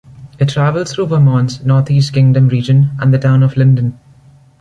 It travels through Vermont's Northeast Kingdom region and the town of Lyndon.